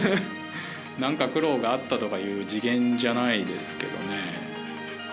なんか苦労があったとかいう次元じゃないですけどね。